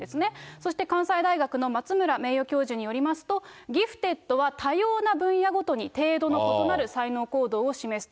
そして関西大学の松村名誉教授によりますと、ギフテッドは多様な分野ごとに程度の異なる才能行動を示すと。